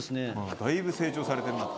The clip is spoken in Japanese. だいぶ成長されてるなって。